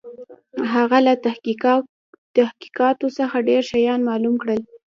هغه له تحقیقاتو څخه ډېر شيان معلوم کړل.